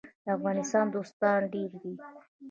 د افغانستان دوستان ډیر دي